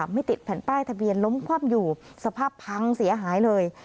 ไม่ติดแผ่นป้ายทะเบียนล้มคว่ำอยู่สภาพพังเสียหายเลย